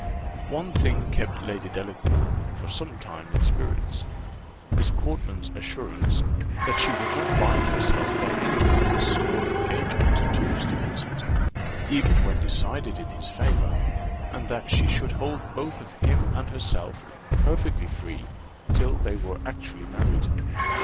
One thing kept Lady Delacour for some time in spirits Miss Portman's assurance that she would not bind herself by any promise or engagement to Mr. Vincent, even when decided in his favour; and that she should hold both him and herself perfectly free till they were actually married.